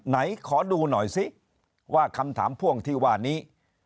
ไหนขอดูหน่อยซิว่าคำถามพ่วงที่ว่านี้